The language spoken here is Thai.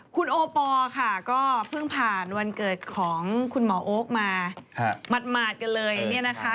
คุณโอปอล์ค่ะก็เพิ่งผ่านวันเกิดของคุณหมอโอ๊คมาหมาดกันเลยเนี่ยนะคะ